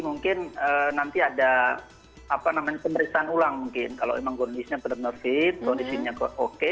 mungkin nanti ada pemeriksaan ulang mungkin kalau emang kondisinya benar benar fit kondisinya oke